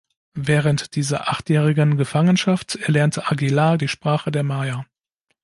Während dieser achtjährigen Gefangenschaft erlernte Aguilar die Sprache der Maya.